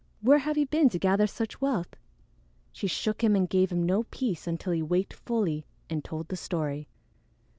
Where have you been to gather such wealth?" She shook him and gave him no peace until he waked fully and told the story.